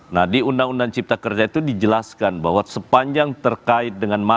nah di undang undang cipta kerja itu dijelaskan bahwa sepanjang terkait dengan masalah